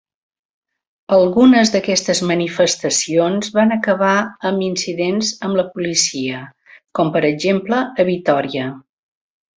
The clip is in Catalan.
Algunes d'aquestes manifestacions van acabar amb incidents amb la policia, com per exemple a Vitòria.